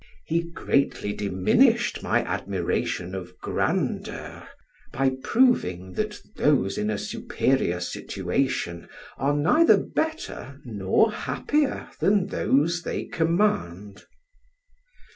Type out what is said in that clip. He greatly diminished my admiration of grandeur, by proving that those in a superior situation are neither better nor happier than those they command.